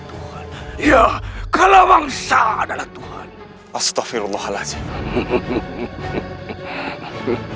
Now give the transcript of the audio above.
tuhan ya kalau bangsa adalah tuhan astaghfirullahaladzim